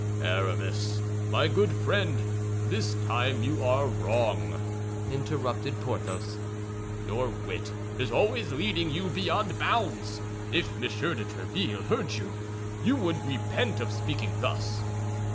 "Aramis, my good friend, this time you are wrong," interrupted Porthos. "Your wit is always leading you beyond bounds; if Monsieur de Tréville heard you, you would repent of speaking thus."